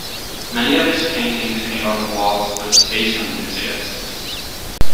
Many of his paintings hang on the walls of space enthusiasts.